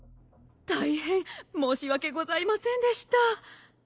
大変申し訳ございませんでした。